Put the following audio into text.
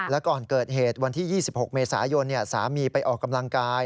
และก่อนเกิดเหตุวันที่๒๖เมษายนสามีไปออกกำลังกาย